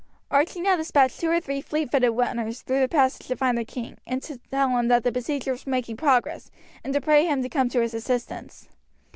Archie now despatched two or three fleet footed runners through the passage to find the king, and tell him that the besiegers were making progress, and to pray him to come to his assistance.